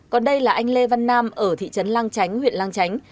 còn đây là anh lê văn nam ở thị trấn lang chánh huyện lang chánh